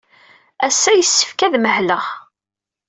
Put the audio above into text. Ass-a, yessefk ad mahleɣ.